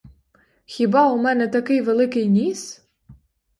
Хіба у мене такий великий ніс?